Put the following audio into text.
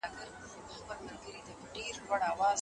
د ځینو لیکوالو د زېږدو نېټه مشکوکه وي.